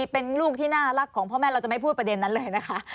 เป็นลูกที่น่ารักของพ่อแม่เราจะไม่พูดประเด็นนั้นเลยนะคะ